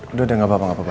udah udah gapapa gapapa